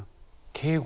敬語。